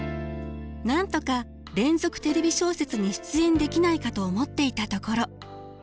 なんとか「連続テレビ小説」に出演できないかと思っていたところ。